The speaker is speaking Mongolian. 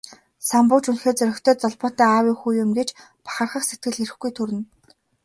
Самбуу ч үнэхээр зоригтой, золбоотой аавын хүү юм гэж бахархах сэтгэл эрхгүй төрнө.